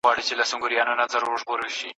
شپانه مړ سو شپېلۍ ماته اوس نغمه له کومه راوړو